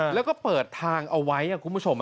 แล้วก็เปิดทางเอาไว้คุณผู้ชม